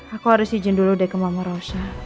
aku harus izin dulu deh ke mama rosha